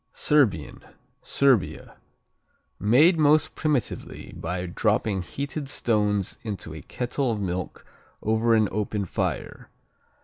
Serbian Serbia Made most primitively by dropping heated stones into a kettle of milk over an open fire.